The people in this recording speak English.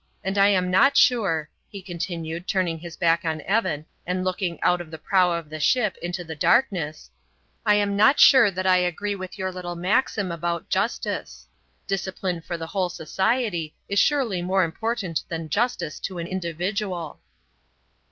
And I am not sure," he continued, turning his back on Evan and looking out of the prow of the ship into the darkness, "I am not sure that I agree with your little maxim about justice. Discipline for the whole society is surely more important than justice to an individual."